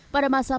pada masa ppkm